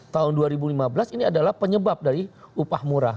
tahun dua ribu lima belas ini adalah penyebab dari upah murah